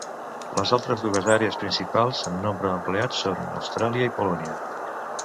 Les altres dues àrees principals en nombre d'empleats són Austràlia i Polònia.